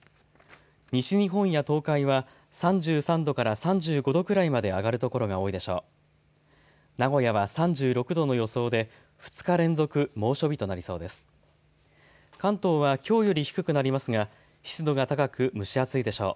西日本や東海は３３度から３５度くらいまで上がる所が多いでしょう。